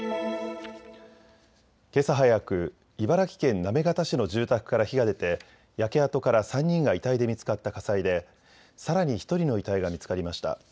けさ早く、茨城県行方市の住宅から火が出て焼け跡から３人が遺体で見つかった火災でさらに１人の遺体が見つかりました。